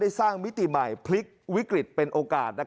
สร้างมิติใหม่พลิกวิกฤตเป็นโอกาส